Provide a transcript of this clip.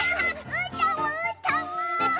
うーたんもうーたんも！